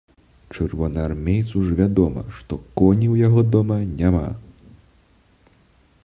Чырвонаармейцу ж вядома, што коней у яго дома няма!